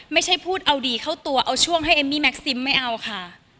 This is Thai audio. ไม่ใช่พูดเอาดีเข้าตัวเอาช่วงให้เอมมี่แก๊ซิมไม่เอาค่ะ